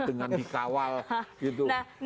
dengan dikawal gitu